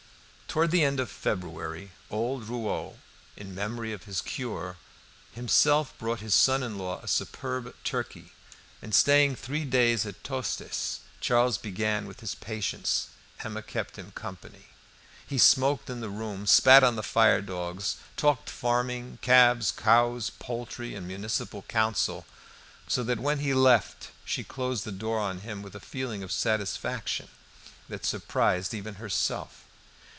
Towards the end of February old Rouault, in memory of his cure, himself brought his son in law a superb turkey, and stayed three days at Tostes. Charles being with his patients, Emma kept him company. He smoked in the room, spat on the firedogs, talked farming, calves, cows, poultry, and municipal council, so that when he left she closed the door on him with a feeling of satisfaction that surprised even herself.